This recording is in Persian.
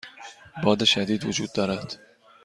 باد شدید وجود دارد.